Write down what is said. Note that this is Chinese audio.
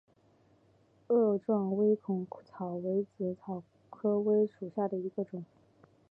萼状微孔草为紫草科微孔草属下的一个种。